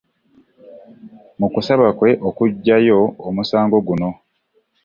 Mu kusaba kwe okuggyayo omusango guno